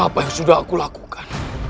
apa yang sudah aku lakukan